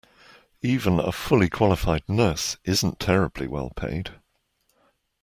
Even a fully qualified nurse isn’t terribly well paid.